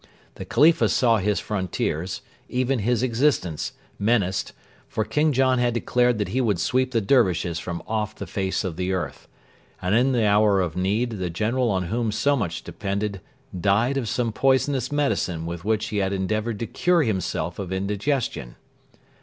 The Khalifa saw his frontiers even his existence menaced, for King John had declared that he would sweep the Dervishes from off the face of the earth: and in the hour of need the general on whom so much depended died of some poisonous medicine with which he had endeavoured to cure himself of indigestion.